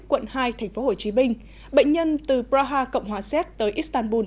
quận hai thành phố hồ chí minh bệnh nhân từ praha cộng hòa xét tới istanbul